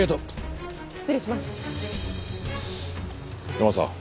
ヤマさん。